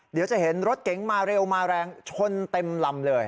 เดี๋ยวจะเห็นรถเก๋งมาเร็วมาแรงชนเต็มลำเลย